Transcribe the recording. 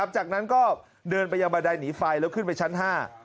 จากนั้นก็เดินไปยังบันไดหนีไฟแล้วขึ้นไปชั้น๕